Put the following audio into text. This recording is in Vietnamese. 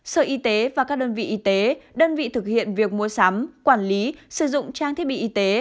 sở y tế và các đơn vị y tế đơn vị thực hiện việc mua sắm quản lý sử dụng trang thiết bị y tế